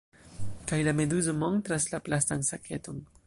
Kaj la meduzo montras la plastan saketon.